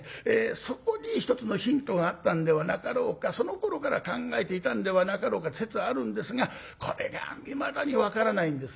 そこに一つのヒントがあったんではなかろうかそのころから考えていたんではなかろうかって説はあるんですがこれがいまだに分からないんですね。